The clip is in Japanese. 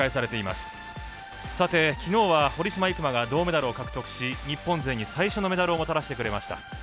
きのうは、堀島行真が銅メダルを獲得し日本勢に最初のメダルをもたらしてくれました。